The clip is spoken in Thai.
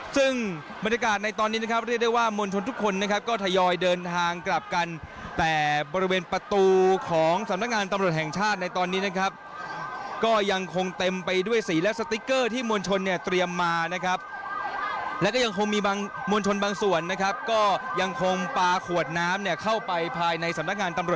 ซึ่งบรรยากาศในตอนนี้นะครับเรียกได้ว่ามวลชนทุกคนนะครับก็ทยอยเดินทางกลับกันแต่บริเวณประตูของสำนักงานตำรวจแห่งชาติในตอนนี้นะครับก็ยังคงเต็มไปด้วยสีและสติ๊กเกอร์ที่มวลชนเนี่ยเตรียมมานะครับแล้วก็ยังคงมีบางมวลชนบางส่วนนะครับก็ยังคงปลาขวดน้ำเนี่ยเข้าไปภายในสำนักงานตำรวจ